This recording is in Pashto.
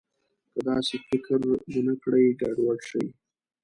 که داسې فکر ونه کړي، ګډوډ شي.